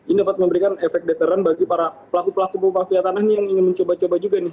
ini dapat memberikan efek deteren bagi para pelaku pelaku pembakya tanah ini yang ingin mencoba coba juga nih